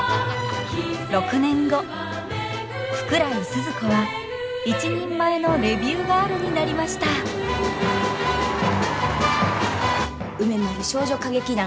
６年後福来スズ子は一人前のレビューガールになりました梅丸少女歌劇団